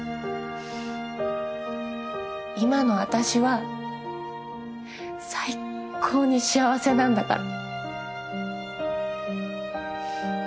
今の私は最高に幸せなんだから。